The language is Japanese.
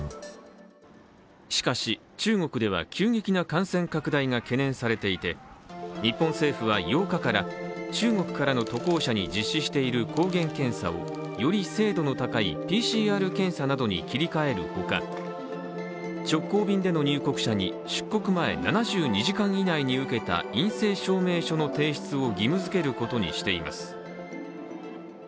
しかし、中国では急激な感染拡大が懸念されていて、日本政府は８日から、中国からの渡航者に実施していいる抗原検査を、より精度の高いＰＣＲ検査などに切り替えるほか直行便での入国者に出国前７２時間以内に受けた陰性証明書の提出を義務付けることにしています。